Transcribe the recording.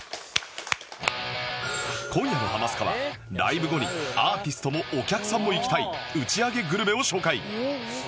今夜の『ハマスカ』はライブ後にアーティストもお客さんも行きたい打ち上げグルメを紹介